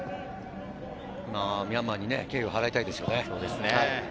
ミャンマーに敬意を払いたいですよね。